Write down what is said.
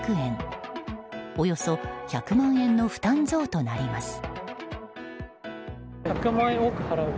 およそ１００万円の負担増となります。